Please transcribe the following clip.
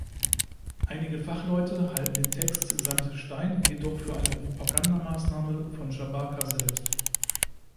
Einige Fachleute halten den Text samt Stein jedoch für eine Propaganda-Maßnahme von Schabaka selbst.